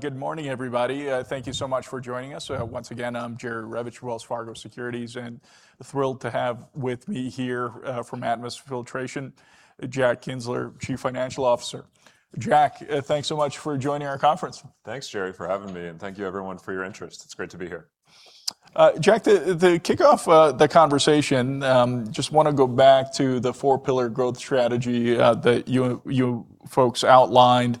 Good morning, everybody. Thank you so much for joining us. Once again, I'm Jerry Revich, Wells Fargo Securities, thrilled to have with me here, from Atmus Filtration, Jack Kienzler, Chief Financial Officer. Jack, thanks so much for joining our conference. Thanks, Jerry, for having me, thank you everyone for your interest. It's great to be here. Jack, to kick off the conversation, just want to go back to the four pillar growth strategy that you folks outlined.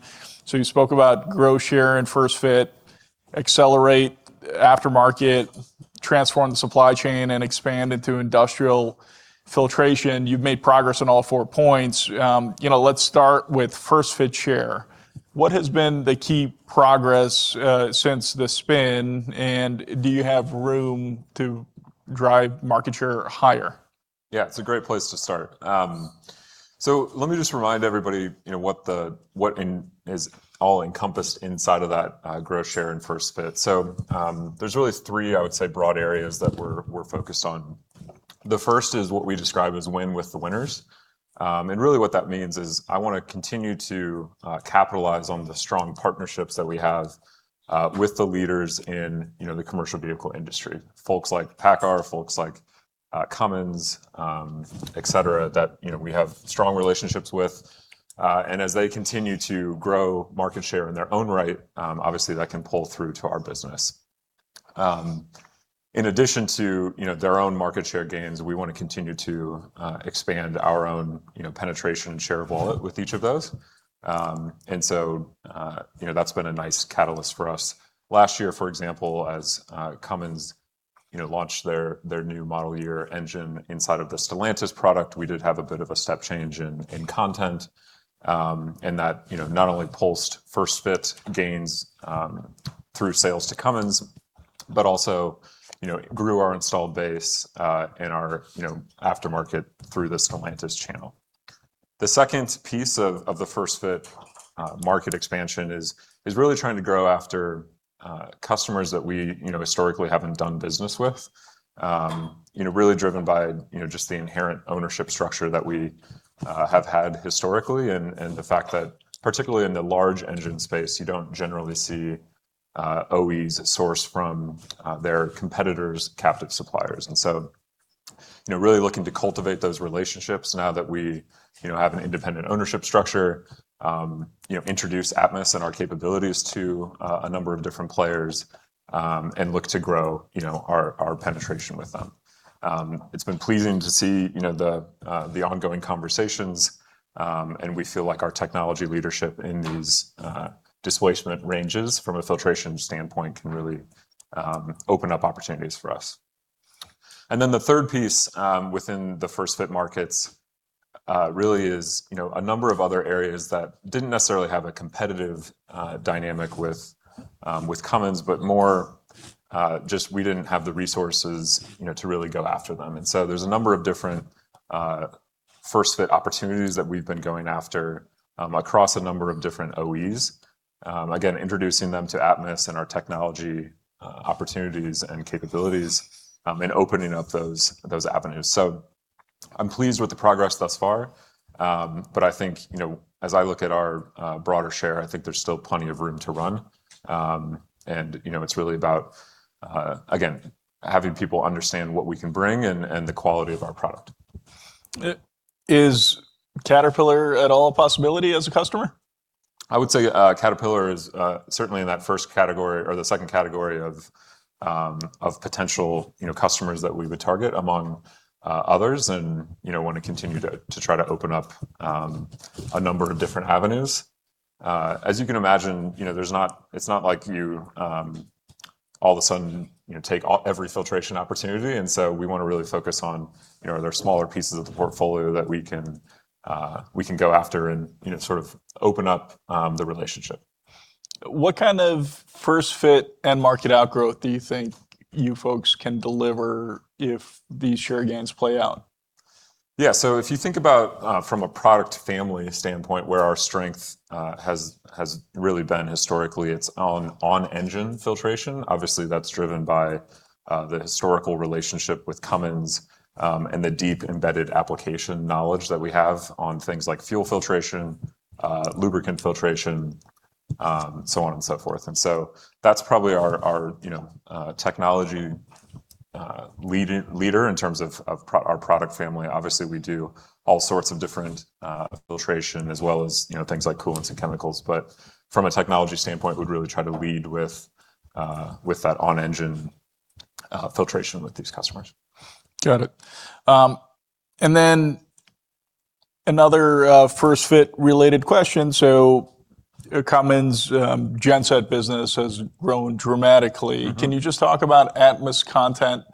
You spoke about grow share and first-fit, accelerate aftermarket, transform the supply chain, and expand into industrial filtration. You've made progress on all four points. Let's start with first-fit share. What has been the key progress since the spin, do you have room to drive market share higher? Yeah, it's a great place to start. Let me just remind everybody what is all encompassed inside of that grow share and first-fit. There's really three, I would say, broad areas that we're focused on. The first is what we describe as win with the winners. Really what that means is I want to continue to capitalize on the strong partnerships that we have with the leaders in the commercial vehicle industry. Folks like PACCAR, folks like Cummins, etc, that we have strong relationships with. As they continue to grow market share in their own right, obviously that can pull through to our business. In addition to their own market share gains, we want to continue to expand our own penetration and share of wallet with each of those. That's been a nice catalyst for us. Last year, for example, as Cummins launched their new model year engine inside of the Stellantis product, we did have a bit of a step change in content. That not only pulsed first-fit gains through sales to Cummins, but also grew our installed base in our aftermarket through the Stellantis channel. The second piece of the first-fit market expansion is really trying to grow after customers that we historically haven't done business with. Driven by just the inherent ownership structure that we have had historically, and the fact that particularly in the large engine space, you don't generally see OEs source from their competitors' captive suppliers. Looking to cultivate those relationships now that we have an independent ownership structure, introduce Atmus and our capabilities to a number of different players, and look to grow our penetration with them. It's been pleasing to see the ongoing conversations. We feel like our technology leadership in these displacement ranges from a filtration standpoint can really open up opportunities for us. The third piece within the first-fit markets really is a number of other areas that didn't necessarily have a competitive dynamic with Cummins, but more just we didn't have the resources to really go after them. There's a number of different first-fit opportunities that we've been going after across a number of different OEs. Again, introducing them to Atmus and our technology opportunities and capabilities in opening up those avenues. I'm pleased with the progress thus far. I think as I look at our broader share, I think there's still plenty of room to run. It's really about, again, having people understand what we can bring and the quality of our product. Is Caterpillar at all a possibility as a customer? I would say Caterpillar is certainly in that first category or the second category of potential customers that we would target among others and want to continue to try to open up a number of different avenues. As you can imagine, it's not like you all of a sudden take every filtration opportunity. We want to really focus on, are there smaller pieces of the portfolio that we can go after and sort of open up the relationship. What kind of first-fit end market outgrowth do you think you folks can deliver if these share gains play out? Yeah. If you think about from a product family standpoint, where our strength has really been historically, it's on engine filtration. Obviously, that's driven by the historical relationship with Cummins and the deep, embedded application knowledge that we have on things like fuel filtration, lubricant filtration, so on and so forth. That's probably our technology leader in terms of our product family. Obviously, we do all sorts of different filtration as well as things like coolants and chemicals. From a technology standpoint, we'd really try to lead with that on-engine filtration with these customers. Got it. Another first-fit related question. Cummins genset business has grown dramatically. Can you just talk about Atmus content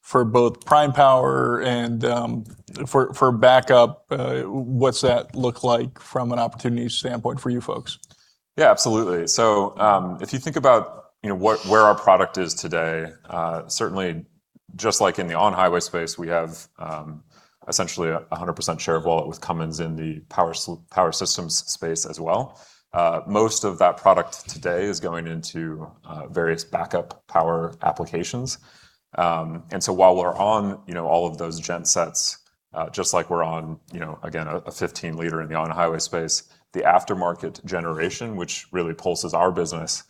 for both prime power and for backup? What's that look like from an opportunity standpoint for you folks? Yeah, absolutely. If you think about where our product is today, certainly just like in the on-highway space, we have essentially 100% share of wallet with Cummins in the power systems space as well. Most of that product today is going into various backup power applications. While we're on all of those gensets. Just like we're on, again, a 15 L in the on-highway space, the aftermarket generation, which really pulses our business,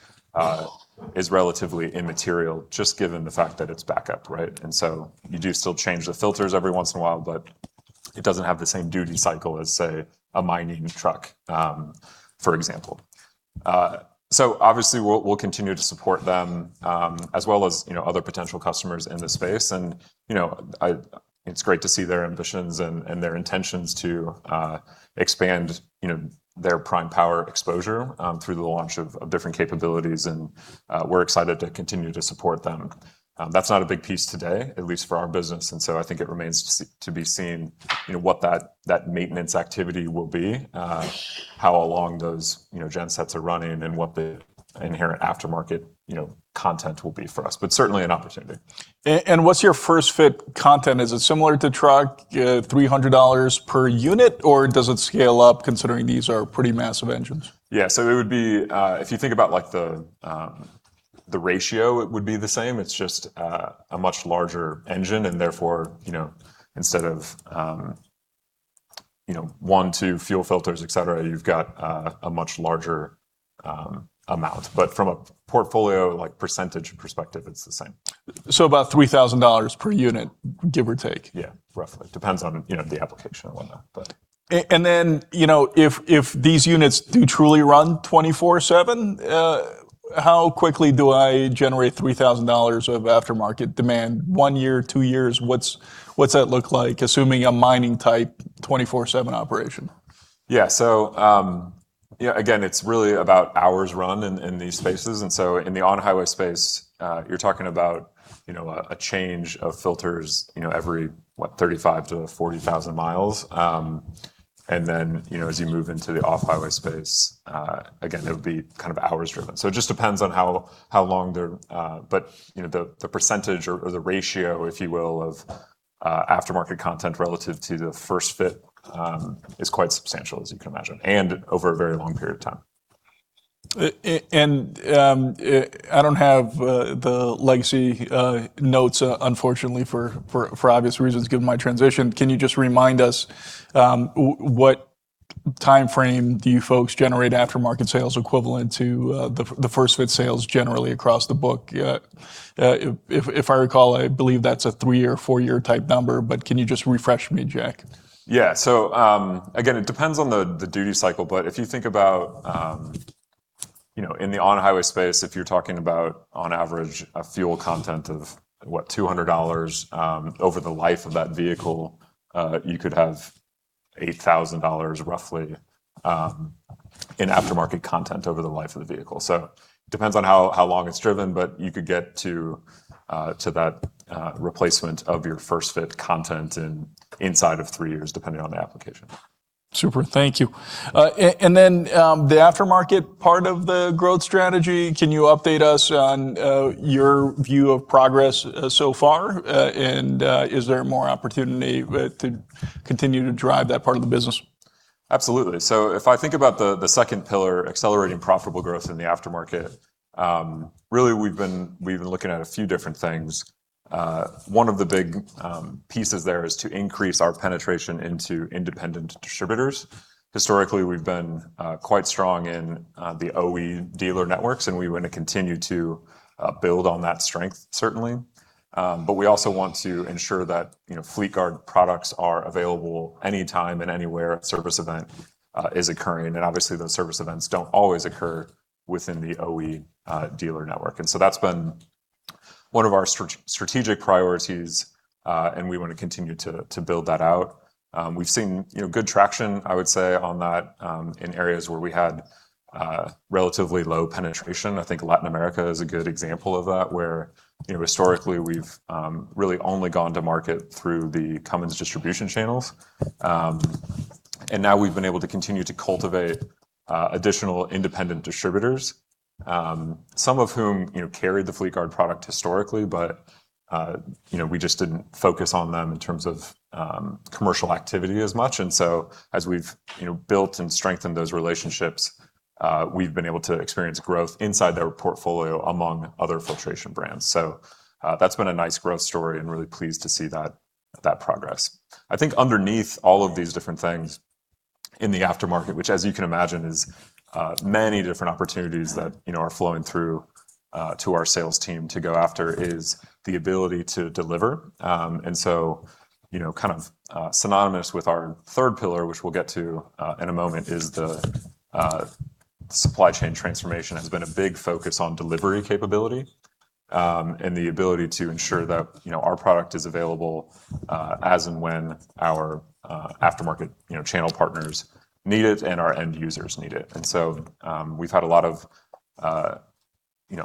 is relatively immaterial, just given the fact that it's backup. You do still change the filters every once in a while, but it doesn't have the same duty cycle as, say, a mining truck, for example. Obviously, we'll continue to support them as well as other potential customers in this space. It's great to see their ambitions and their intentions to expand their prime power exposure through the launch of different capabilities. We're excited to continue to support them. That's not a big piece today, at least for our business. I think it remains to be seen what that maintenance activity will be, how long those gensets are running, and what the inherent aftermarket content will be for us, but certainly an opportunity. What's your first-fit content? Is it similar to truck, $300 per unit, or does it scale up, considering these are pretty massive engines? Yeah. If you think about the ratio, it would be the same. It's just a much larger engine, therefore, instead of one, two fuel filters, etc, you've got a much larger amount. From a portfolio percentage perspective, it's the same. About $3,000 per unit, give or take. Yeah, roughly. Depends on the application and whatnot. If these units do truly run 24/7, how quickly do I generate $3,000 of aftermarket demand? One year, two years? What's that look like, assuming a mining-type, 24/7 operation? Yeah. Again, it's really about hours run in these spaces. In the on-highway space, you're talking about a change of filters every, what, 35,000 mi-40,000 mi. Then, as you move into the off-highway space, again, it would be hours driven. It just depends on how long. The percentage or the ratio, if you will, of aftermarket content relative to the first fit is quite substantial, as you can imagine, and over a very long period of time. I don't have the legacy notes, unfortunately, for obvious reasons, given my transition. Can you just remind us what timeframe do you folks generate aftermarket sales equivalent to the first-fit sales generally across the book? I believe that's a three year, four year type number, but can you just refresh me, Jack? Again, it depends on the duty cycle, but if you think about in the on-highway space, if you're talking about, on average, a fuel content of, what, $200 over the life of that vehicle, you could have $8,000, roughly, in aftermarket content over the life of the vehicle. Depends on how long it's driven, but you could get to that replacement of your first-fit content inside of three years, depending on the application. Super. Thank you. The aftermarket part of the growth strategy, can you update us on your view of progress so far? Is there more opportunity to continue to drive that part of the business? Absolutely. If I think about the second pillar, accelerating profitable growth in the aftermarket, really, we've been looking at a few different things. One of the big pieces there is to increase our penetration into independent distributors. Historically, we've been quite strong in the OE dealer networks, and we want to continue to build on that strength, certainly. We also want to ensure that Fleetguard products are available anytime and anywhere a service event is occurring. Those service events don't always occur within the OE dealer network. That's been one of our strategic priorities, and we want to continue to build that out. We've seen good traction, I would say, on that in areas where we had relatively low penetration. I think Latin America is a good example of that, where historically we've really only gone to market through the Cummins distribution channels. Now we've been able to continue to cultivate additional independent distributors, some of whom carried the Fleetguard product historically, but we just didn't focus on them in terms of commercial activity as much. As we've built and strengthened those relationships, we've been able to experience growth inside their portfolio, among other filtration brands. That's been a nice growth story, and really pleased to see that progress. I think underneath all of these different things in the aftermarket, which as you can imagine, is many different opportunities that are flowing through to our sales team to go after, is the ability to deliver. Kind of synonymous with our third pillar, which we'll get to in a moment, is the supply chain transformation has been a big focus on delivery capability. The ability to ensure that our product is available as and when our aftermarket channel partners need it and our end users need it. We've had a lot of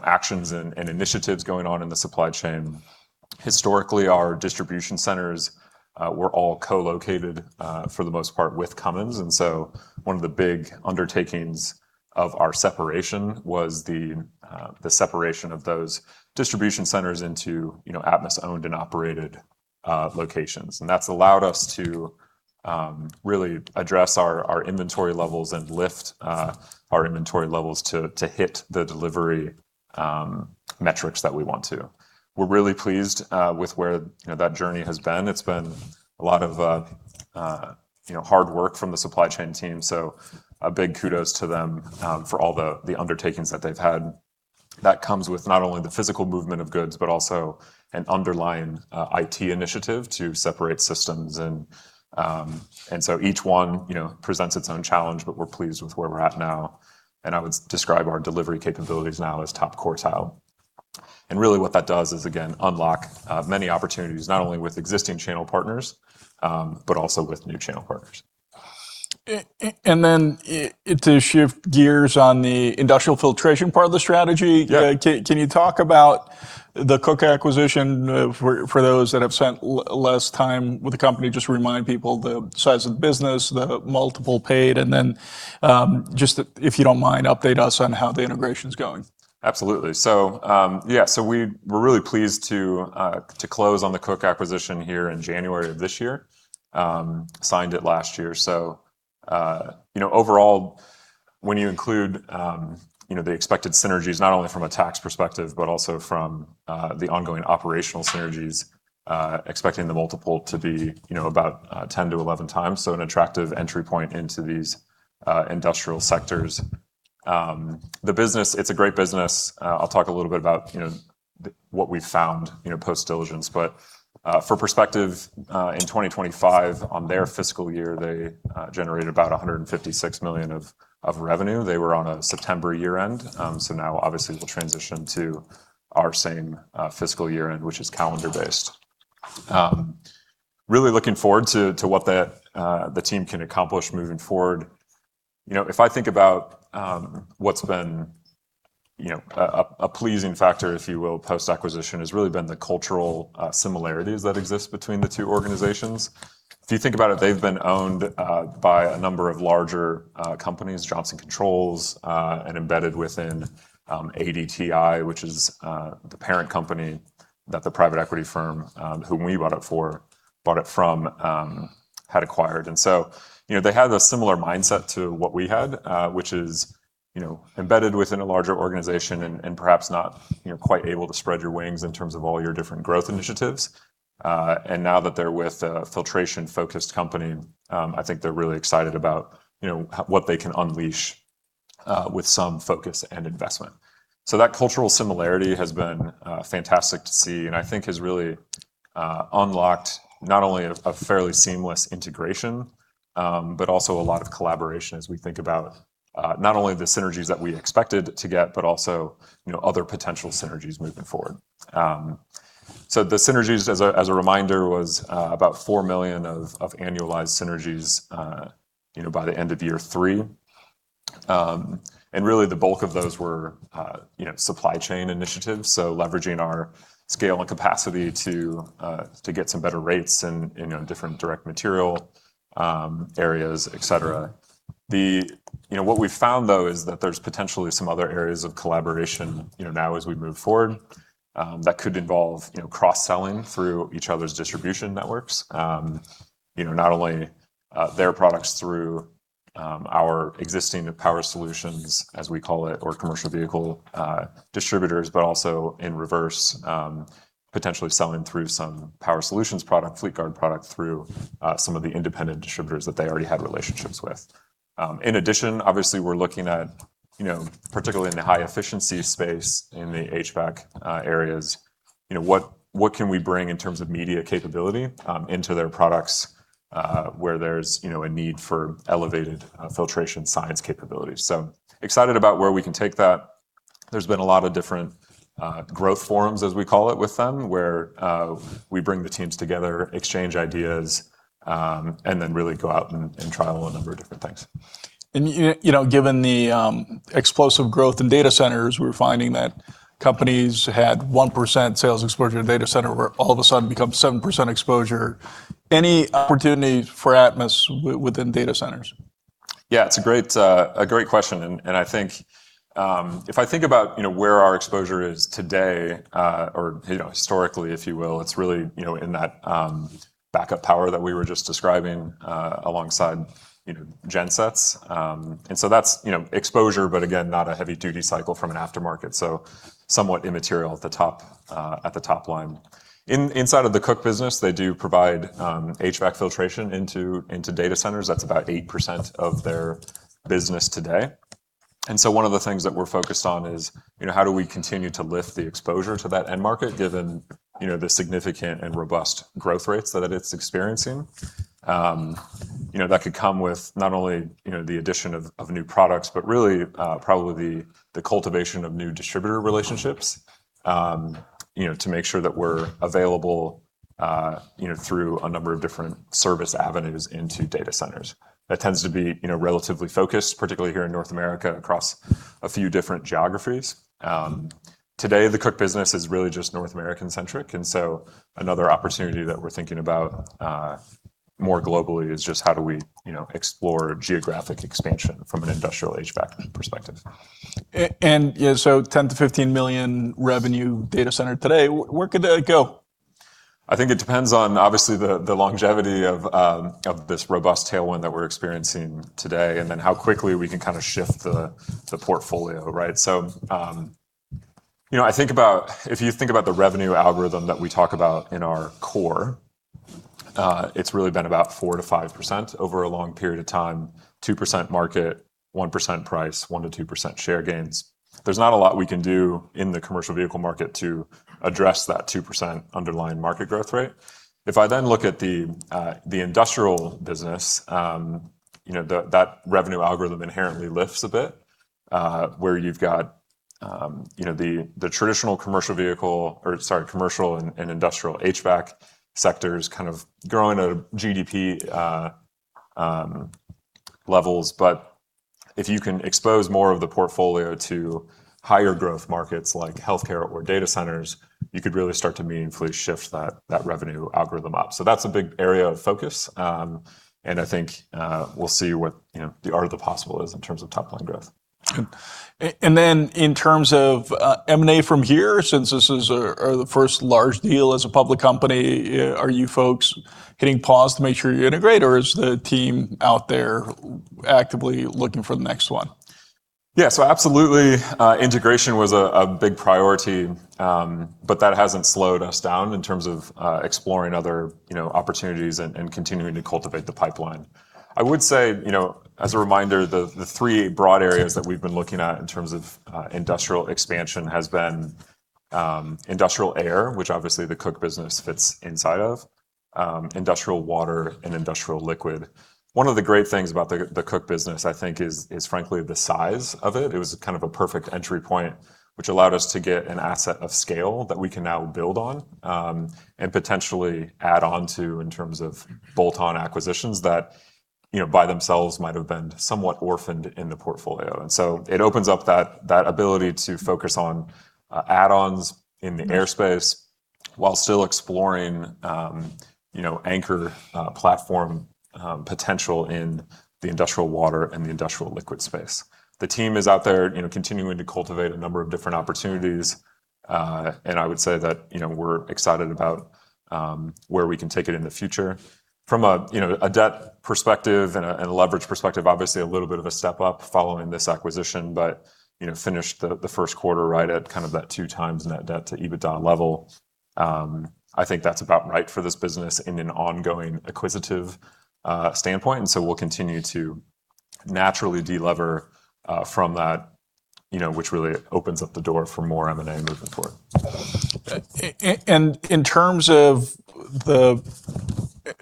actions and initiatives going on in the supply chain. Historically, our distribution centers were all co-located, for the most part, with Cummins. One of the big undertakings of our separation was the separation of those distribution centers into Atmus owned and operated locations. That's allowed us to really address our inventory levels and lift our inventory levels to hit the delivery metrics that we want to. We're really pleased with where that journey has been. It's been a lot of hard work from the supply chain team. A big kudos to them for all the undertakings that they've had. That comes with not only the physical movement of goods, but also an underlying IT initiative to separate systems. Each one presents its own challenge, but we're pleased with where we're at now. I would describe our delivery capabilities now as top quartile. Really what that does is, again, unlock many opportunities, not only with existing channel partners, but also with new channel partners. To shift gears on the industrial filtration part of the strategy. Yeah. Can you talk about the Koch acquisition for those that have spent less time with the company? Just remind people the size of the business, the multiple paid, and then just if you don't mind, update us on how the integration's going. Absolutely. Yeah. We were really pleased to close on the Koch acquisition here in January of this year. Signed it last year. Overall, when you include the expected synergies, not only from a tax perspective, but also from the ongoing operational synergies, expecting the multiple to be about 10-11 times. An attractive entry point into these industrial sectors. The business, it's a great business. I'll talk a little bit about what we've found post diligence. But for perspective, in 2025, on their fiscal year, they generated about $156 million of revenue. They were on a September year-end. Now obviously we'll transition to our same fiscal year-end, which is calendar-based. Really looking forward to what the team can accomplish moving forward. If I think about what's been a pleasing factor, if you will, post-acquisition, has really been the cultural similarities that exist between the two organizations. If you think about it, they've been owned by a number of larger companies, Johnson Controls, and embedded within ADTi, which is the parent company that the private equity firm, whom we bought it from, had acquired. They had a similar mindset to what we had, which is embedded within a larger organization and perhaps not quite able to spread your wings in terms of all your different growth initiatives. Now that they're with a filtration-focused company, I think they're really excited about what they can unleash with some focus and investment. That cultural similarity has been fantastic to see and I think has really unlocked not only a fairly seamless integration, but also a lot of collaboration as we think about not only the synergies that we expected to get, but also other potential synergies moving forward. The synergies, as a reminder, was about $4 million of annualized synergies by the end of year three. Really, the bulk of those were supply chain initiatives. Leveraging our scale and capacity to get some better rates in different direct material areas, etc. What we've found, though, is that there's potentially some other areas of collaboration now as we move forward that could involve cross-selling through each other's distribution networks. Not only their products through our existing power solutions, as we call it, or commercial vehicle distributors, but also in reverse, potentially selling through some power solutions product, Fleetguard product, through some of the independent distributors that they already had relationships with. In addition, obviously, we're looking at, particularly in the high-efficiency space in the HVAC areas, what can we bring in terms of media capability into their products where there's a need for elevated filtration science capabilities. Excited about where we can take that. There's been a lot of different growth forums, as we call it, with them, where we bring the teams together, exchange ideas, and then really go out and trial a number of different things. Given the explosive growth in data centers, we're finding that companies had 1% sales exposure to data center, where all of a sudden become 7% exposure. Any opportunity for Atmus within data centers? Yeah. It's a great question. If I think about where our exposure is today, or historically, if you will, it's really in that backup power that we were just describing, alongside gensets. That's exposure but again, not a heavy-duty cycle from an aftermarket. Somewhat immaterial at the top line. Inside of the Koch business, they do provide HVAC filtration into data centers. That's about 8% of their business today. One of the things that we're focused on is how do we continue to lift the exposure to that end market, given the significant and robust growth rates that it's experiencing. That could come with not only the addition of new products, but really probably the cultivation of new distributor relationships to make sure that we're available through a number of different service avenues into data centers. That tends to be relatively focused, particularly here in North America, across a few different geographies. Today, the Koch business is really just North American centric, another opportunity that we're thinking about more globally is just how do we explore geographic expansion from an industrial HVAC perspective. $10 million-$15 million revenue data center today. Where could that go? I think it depends on, obviously, the longevity of this robust tailwind that we're experiencing today, and then how quickly we can kind of shift the portfolio, right? If you think about the revenue algorithm that we talk about in our core, it's really been about 4%-5% over a long period of time, 2% market, 1% price, 1%-2% share gains. There's not a lot we can do in the commercial vehicle market to address that 2% underlying market growth rate. If I then look at the industrial business, that revenue algorithm inherently lifts a bit, where you've got the traditional commercial and industrial HVAC sectors kind of growing at GDP levels. If you can expose more of the portfolio to higher growth markets like healthcare or data centers, you could really start to meaningfully shift that revenue algorithm up. That's a big area of focus, and I think we'll see what the art of the possible is in terms of top-line growth. In terms of M&A from here, since this is the first large deal as a public company, are you folks hitting pause to make sure you integrate, or is the team out there actively looking for the next one? Absolutely, integration was a big priority, but that hasn't slowed us down in terms of exploring other opportunities and continuing to cultivate the pipeline. I would say, as a reminder, the three broad areas that we've been looking at in terms of industrial expansion has been industrial air, which obviously the Koch business fits inside of, industrial water, and industrial liquid. One of the great things about the Koch business, I think, is frankly the size of it. It was kind of a perfect entry point, which allowed us to get an asset of scale that we can now build on, and potentially add on to in terms of bolt-on acquisitions that, by themselves might have been somewhat orphaned in the portfolio. It opens up that ability to focus on add-ons in the airspace while still exploring anchor platform potential in the industrial water and the industrial liquid space. The team is out there continuing to cultivate a number of different opportunities. I would say that we're excited about where we can take it in the future. From a debt perspective and a leverage perspective, obviously a little bit of a step up following this acquisition, but finished the first quarter right at kind of that 2x net debt to EBITDA level. I think that's about right for this business in an ongoing acquisitive standpoint, we'll continue to naturally de-lever from that, which really opens up the door for more M&A moving forward. In terms of the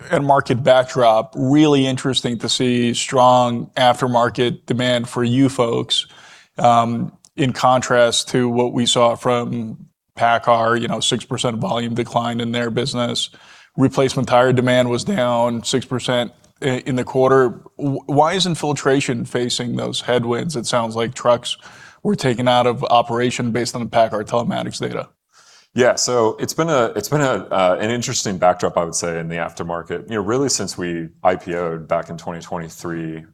end market backdrop, really interesting to see strong aftermarket demand for you folks, in contrast to what we saw from PACCAR, 6% volume decline in their business. Replacement tire demand was down 6% in the quarter. Why isn't Filtration facing those headwinds? It sounds like trucks were taken out of operation based on the PACCAR telematics data. It's been an interesting backdrop, I would say, in the aftermarket. Really since we IPO'd back in 2023,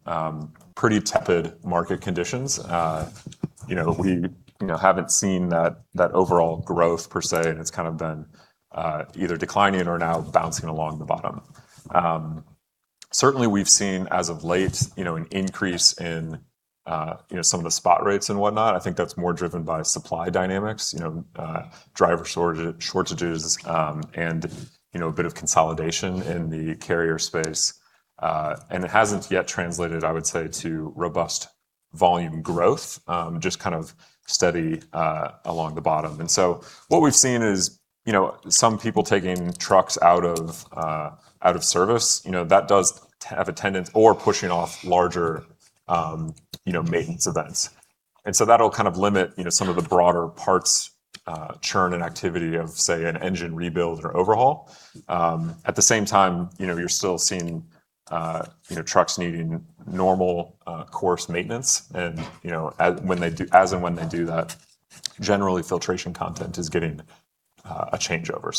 pretty tepid market conditions. We haven't seen that overall growth per se, it's kind of been either declining or now bouncing along the bottom. Certainly, we've seen, as of late, an increase in some of the spot rates and whatnot. I think that's more driven by supply dynamics, driver shortages, and a bit of consolidation in the carrier space. It hasn't yet translated, I would say, to robust volume growth, just kind of steady along the bottom. What we've seen is some people taking trucks out of service, or pushing off larger maintenance events. That'll kind of limit some of the broader parts churn and activity of, say, an engine rebuild or overhaul. At the same time, you're still seeing trucks needing normal course maintenance. As and when they do that, generally filtration content is getting a changeover.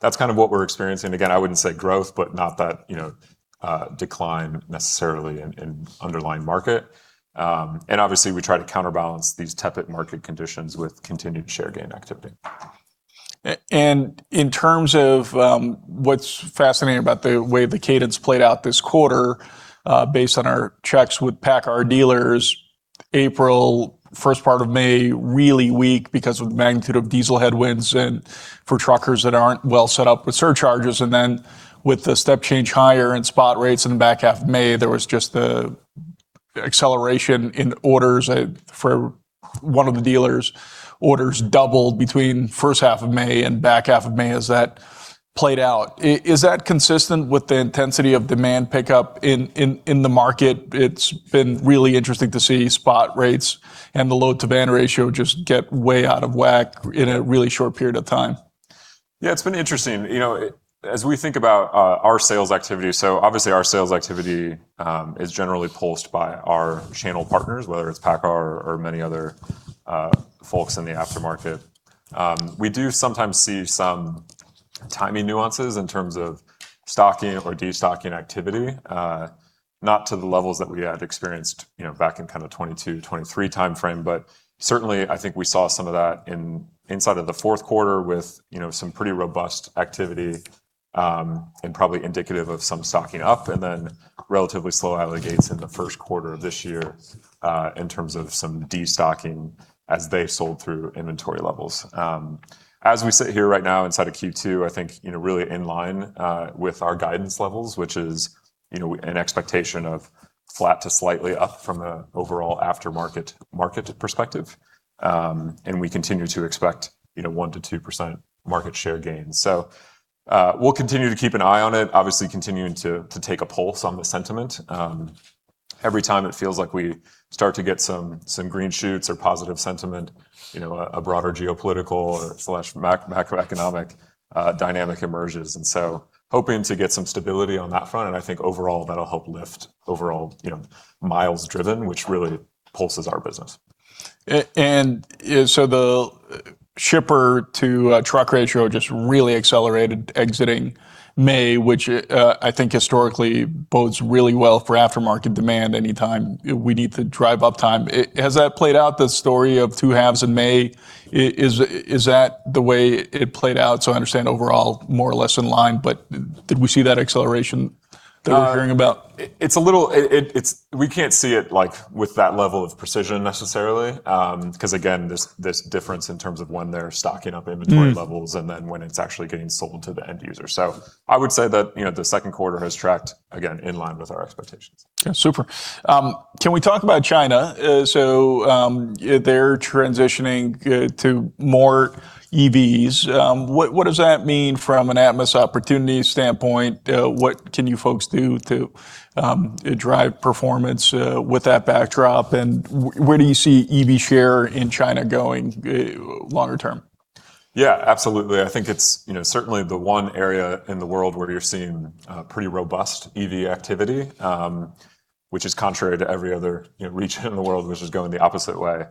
That's kind of what we're experiencing. Again, I wouldn't say growth, but not that decline necessarily in underlying market. Obviously, we try to counterbalance these tepid market conditions with continued share gain activity. In terms of what's fascinating about the way the cadence played out this quarter, based on our checks with PACCAR dealers, April, first part of May, really weak because of the magnitude of diesel headwinds and for truckers that aren't well set up with surcharges. With the step change higher in spot rates in the back half of May, there was just the acceleration in orders. For one of the dealers, orders doubled between first half of May and back half of May as that played out. Is that consistent with the intensity of demand pickup in the market? It's been really interesting to see spot rates and the load-to-band ratio just get way out of whack in a really short period of time. It's been interesting. Obviously, our sales activity is generally pulsed by our channel partners, whether it's PACCAR or many other folks in the aftermarket. We do sometimes see some timing nuances in terms of stocking or de-stocking activity. Not to the levels that we had experienced back in 2022, 2023 timeframe. Certainly, I think we saw some of that inside of the fourth quarter with some pretty robust activity and probably indicative of some stocking up. Relatively slow out of the gates in the first quarter of this year in terms of some de-stocking as they sold through inventory levels. As we sit here right now inside of Q2, I think really in line with our guidance levels, which is an expectation of flat to slightly up from an overall aftermarket market perspective. We continue to expect 1%-2% market share gains. We'll continue to keep an eye on it, obviously continuing to take a pulse on the sentiment. Every time it feels like we start to get some green shoots or positive sentiment, a broader geopolitical/macroeconomic dynamic emerges. Hoping to get some stability on that front, and I think overall, that'll help lift overall miles driven, which really pulses our business. The shipper-to-truck ratio just really accelerated exiting May, which I think historically bodes really well for aftermarket demand anytime we need to drive uptime. Has that played out, the story of two halves in May? Is that the way it played out? I understand overall, more or less in line, but did we see that acceleration that we're hearing about? We can't see it with that level of precision necessarily because, again, this difference in terms of when they're stocking up inventory levels. When it's actually getting sold to the end user. I would say that the second quarter has tracked, again, in line with our expectations. Yeah. Super. Can we talk about China? They're transitioning to more EVs. What does that mean from an Atmus opportunity standpoint? What can you folks do to drive performance with that backdrop? Where do you see EV share in China going longer term? Yeah, absolutely. I think it's certainly the one area in the world where you're seeing pretty robust EV activity, which is contrary to every other region in the world which is going the opposite way.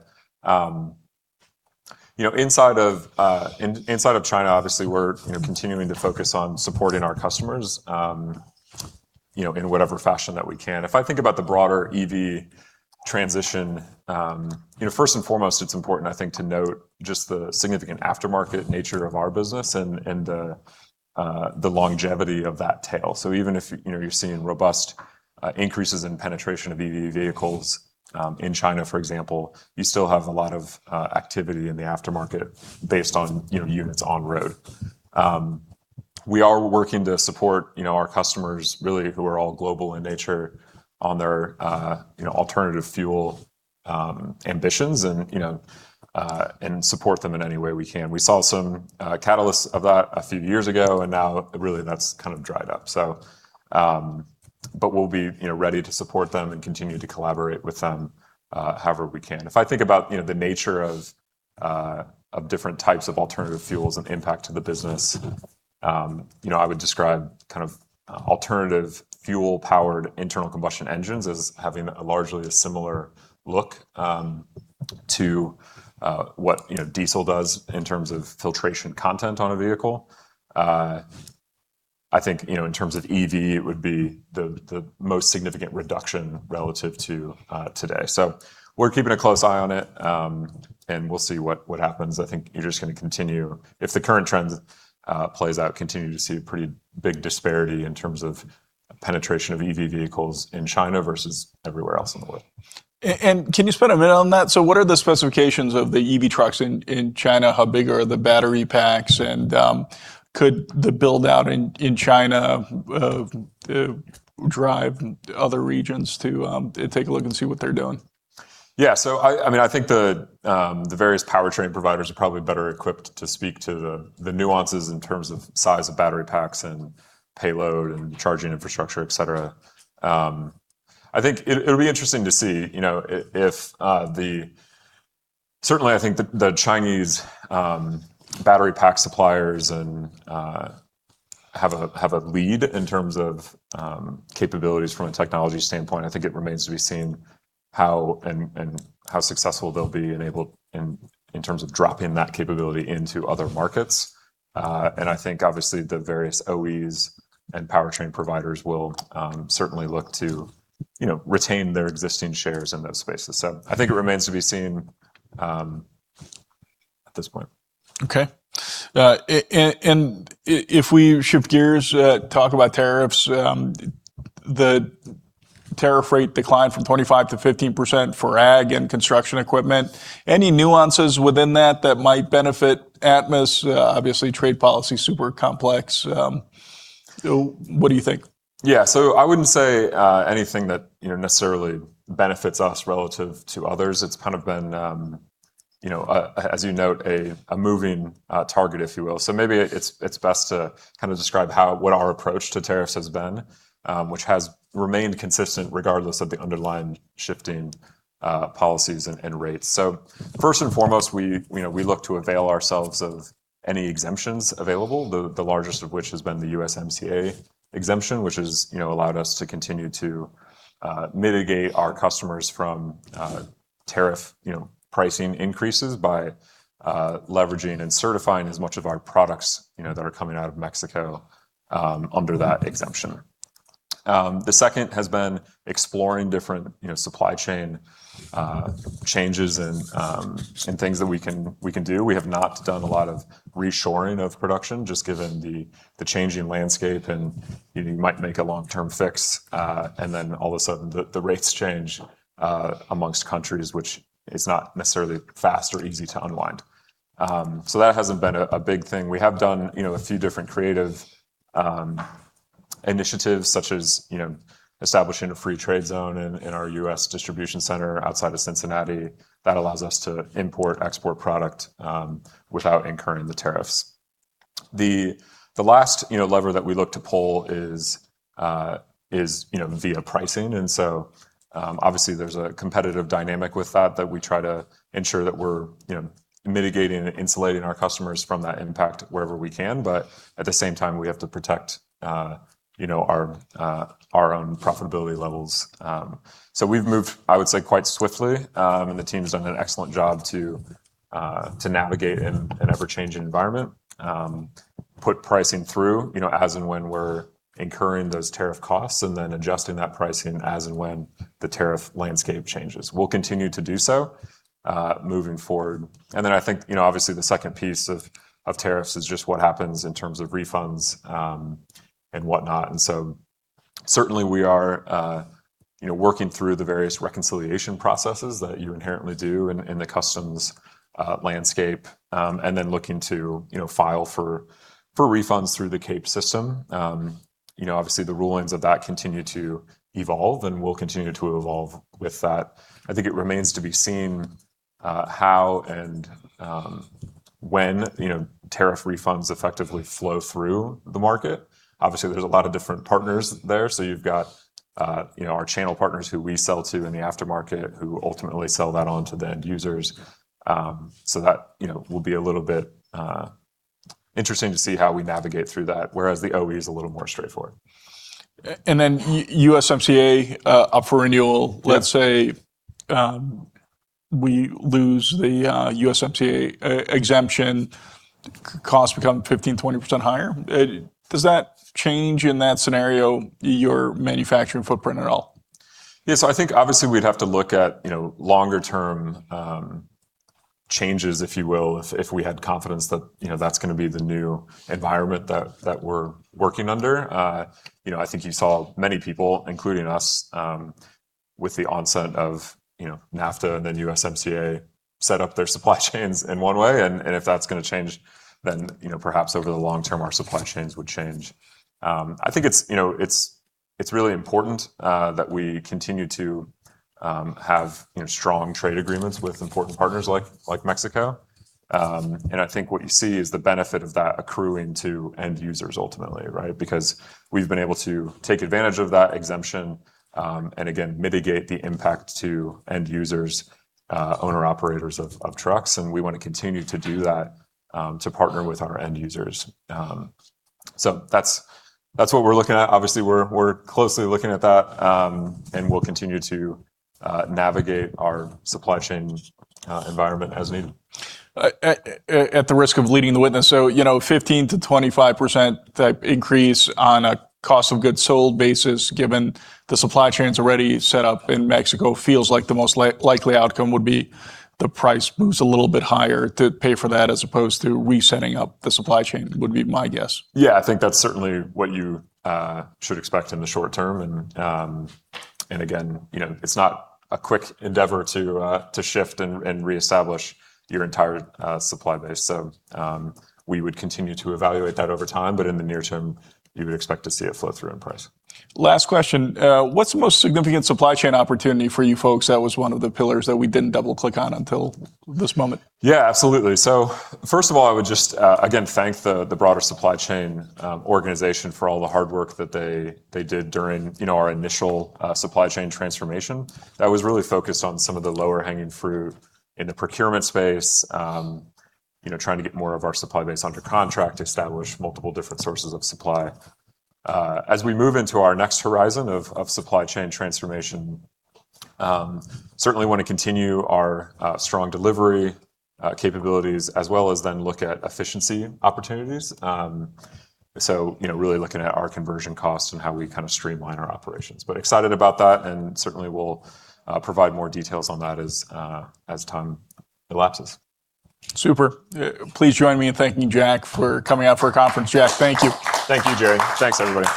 Inside of China, obviously, we're continuing to focus on supporting our customers in whatever fashion that we can. If I think about the broader EV transition, first and foremost, it's important, I think, to note just the significant aftermarket nature of our business and the longevity of that tail. Even if you're seeing robust increases in penetration of EV vehicles in China, for example, you still have a lot of activity in the aftermarket based on units on road. We are working to support our customers really who are all global in nature on their alternative fuel ambitions and support them in any way we can. We saw some catalysts of that a few years ago, now really that's kind of dried up. We'll be ready to support them and continue to collaborate with them however we can. If I think about the nature of different types of alternative fuels and impact to the business, I would describe alternative fuel-powered internal combustion engines as having a largely a similar look to what diesel does in terms of filtration content on a vehicle. I think, in terms of EV, it would be the most significant reduction relative to today. We're keeping a close eye on it, and we'll see what happens. I think you're just going to continue, if the current trend plays out, continue to see a pretty big disparity in terms of penetration of EV vehicles in China versus everywhere else in the world. Can you spend a minute on that? What are the specifications of the EV trucks in China? How big are the battery packs? Could the build-out in China drive other regions to take a look and see what they're doing? Yeah. I think the various powertrain providers are probably better equipped to speak to the nuances in terms of size of battery packs and payload and charging infrastructure, etc. I think it would be interesting to see. Certainly, I think the Chinese battery pack suppliers have a lead in terms of capabilities from a technology standpoint. I think it remains to be seen how successful they'll be in terms of dropping that capability into other markets. I think obviously the various OEs and powertrain providers will certainly look to retain their existing shares in those spaces. I think it remains to be seen at this point. If we shift gears, talk about tariffs. The tariff rate declined from 25%-15% for ag and construction equipment. Any nuances within that that might benefit Atmus? Trade policy, super complex. What do you think? I wouldn't say anything that necessarily benefits us relative to others. It's kind of been, as you note, a moving target, if you will. Maybe it's best to kind of describe what our approach to tariffs has been, which has remained consistent regardless of the underlying shifting policies and rates. First and foremost, we look to avail ourselves of any exemptions available, the largest of which has been the USMCA exemption, which has allowed us to continue to mitigate our customers from tariff pricing increases by leveraging and certifying as much of our products that are coming out of Mexico under that exemption. The second has been exploring different supply chain changes and things that we can do. We have not done a lot of reshoring of production, just given the changing landscape, and you might make a long-term fix, and then all of a sudden the rates change amongst countries, which is not necessarily fast or easy to unwind. That hasn't been a big thing. We have done a few different creative initiatives, such as establishing a free trade zone in our U.S. distribution center outside of Cincinnati that allows us to import/export product without incurring the tariffs. The last lever that we look to pull is via pricing. Obviously, there's a competitive dynamic with that we try to ensure that we're mitigating and insulating our customers from that impact wherever we can. At the same time, we have to protect our own profitability levels. We've moved, I would say, quite swiftly, and the team's done an excellent job to navigate in an ever-changing environment, put pricing through as and when we're incurring those tariff costs, and then adjusting that pricing as and when the tariff landscape changes. We'll continue to do so moving forward. I think, obviously, the second piece of tariffs is just what happens in terms of refunds and whatnot. Certainly we are working through the various reconciliation processes that you inherently do in the customs landscape, and then looking to file for refunds through the CAPE system. The rulings of that continue to evolve and will continue to evolve with that. I think it remains to be seen how and when tariff refunds effectively flow through the market. There's a lot of different partners there. You've got our channel partners who we sell to in the aftermarket, who ultimately sell that on to the end users. That will be a little bit interesting to see how we navigate through that, whereas the OE is a little more straightforward. USMCA up for renewal. Yeah. Let's say we lose the USMCA exemption, costs become 15%, 20% higher. Does that change, in that scenario, your manufacturing footprint at all? Yeah. I think obviously we'd have to look at longer term changes, if you will, if we had confidence that that's going to be the new environment that we're working under. I think you saw many people, including us, with the onset of NAFTA and then USMCA, set up their supply chains in one way. If that's going to change, then perhaps over the long term our supply chains would change. I think it's really important that we continue to have strong trade agreements with important partners like Mexico. I think what you see is the benefit of that accruing to end users ultimately, right? Because we've been able to take advantage of that exemption, and again, mitigate the impact to end users, owner-operators of trucks, and we want to continue to do that to partner with our end users. That's what we're looking at. Obviously, we're closely looking at that. We'll continue to navigate our supply chain environment as needed. At the risk of leading the witness, 15%-25% type increase on a cost of goods sold basis, given the supply chain's already set up in Mexico, feels like the most likely outcome would be the price moves a little bit higher to pay for that as opposed to resetting up the supply chain, would be my guess. Yeah, I think that's certainly what you should expect in the short term. Again, it's not a quick endeavor to shift and reestablish your entire supply base. We would continue to evaluate that over time, but in the near term, you would expect to see it flow through in price. Last question. What's the most significant supply chain opportunity for you folks? That was one of the pillars that we didn't double-click on until this moment. Absolutely. First of all, I would just again thank the broader supply chain organization for all the hard work that they did during our initial supply chain transformation that was really focused on some of the lower hanging fruit in the procurement space, trying to get more of our supply base under contract, establish multiple different sources of supply. As we move into our next horizon of supply chain transformation, certainly want to continue our strong delivery capabilities as well as then look at efficiency opportunities. Really looking at our conversion costs and how we kind of streamline our operations. Excited about that and certainly we'll provide more details on that as time elapses. Super. Please join me in thanking Jack for coming out for a conference. Jack, thank you. Thank you, Jerry. Thanks, everybody.